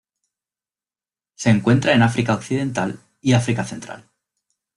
Se encuentra en África occidental y África Central.